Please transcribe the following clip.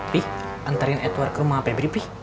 pi antarin edward ke rumah febri